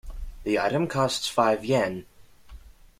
The item costs five Yen.